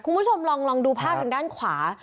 คุณผู้ชมลองดูภาพทางด้านขวา